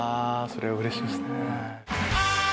それはうれしいですね。